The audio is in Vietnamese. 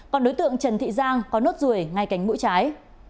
còn đối tượng trần thị giang có nốt ruồi ngay cánh mũi trái